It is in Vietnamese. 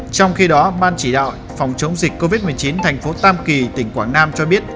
trong khi đó ban chỉ đạo phòng chống dịch covid một mươi chín thành phố tam kỳ tỉnh quảng nam cho biết